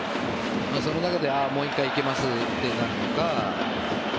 その中でもう１回行けますとなるのか。